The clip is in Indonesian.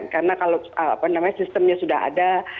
karena kalau sistemnya sudah ada